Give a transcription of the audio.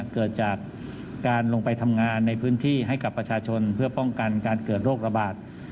เกิดจากการลงไปทำงานในพื้นที่ให้กับประชาชนเพื่อป้องกันการเกิดโรคระบาด